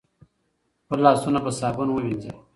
خپل لاسونه په صابون ووینځئ.